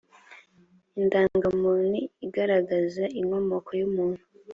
indangamuntu iagaragaza inkomoko yumuntu.